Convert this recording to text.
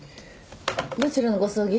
どちらのご葬儀？